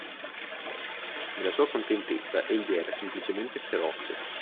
Nella sua contentezza egli era semplicemente feroce.